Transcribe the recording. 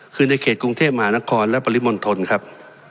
คือในเขตกรุงเทพมหานครและปริมณฑลครับ